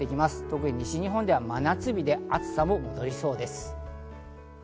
特に西日本では真夏日で、暑も戻りそうです。